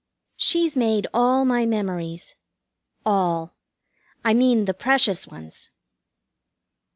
She's made all my memories. All. I mean the precious ones.